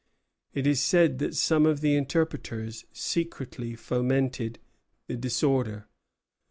It is said that some of the interpreters secretly fomented the disorder.